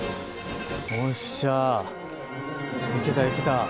よっしゃいけたいけた。